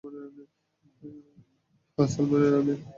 হ্যাঁ, স্যালমনে রানে।